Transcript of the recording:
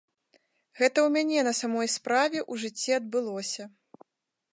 Гэта ў мяне на самой справе ў жыцці адбылося.